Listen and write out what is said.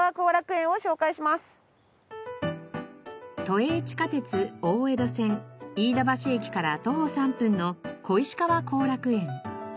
都営地下鉄大江戸線飯田橋駅から徒歩３分の小石川後楽園。